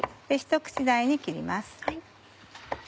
ひと口大に切ります。